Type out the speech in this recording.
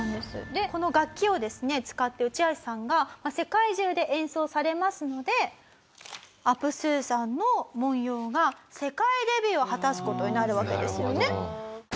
でこの楽器をですね使って内橋さんが世界中で演奏されますのでアプスーさんの文様が世界デビューを果たす事になるわけですよね。